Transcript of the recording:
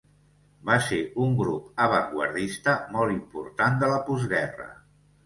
Va ser un grup avantguardista molt important de la postguerra.